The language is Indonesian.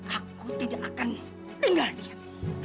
aku tidak akan tinggal diam